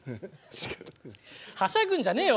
はしゃぐんじゃねえよ